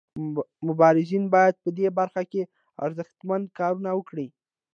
مبارزین باید په دې برخه کې ارزښتمن کارونه وکړي.